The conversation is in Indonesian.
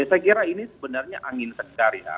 saya kira ini sebenarnya angin segar ya